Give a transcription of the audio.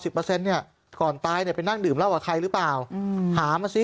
เปอร์เซ็นต์เนี่ยก่อนตายเนี่ยไปนั่งดื่มเหล้ากับใครหรือเปล่าอืมหามาซิ